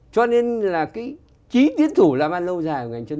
cho nên là cái chí tiến thủ làm ăn lâu dài